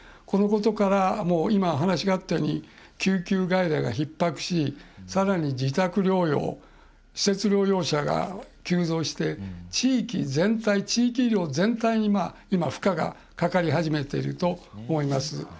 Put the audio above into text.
このことから、今話があったように救急外来がひっ迫しさらに、自宅療養施設療養者が急増して地域全体、地域医療全体に今、負荷がかかり始めていると思います。